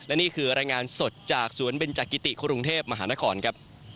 และนี่คือรายงานสดจากสวนเบนจักิติกรุงเทพมหานครครับ